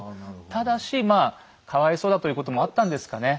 ただしまあかわいそうだということもあったんですかね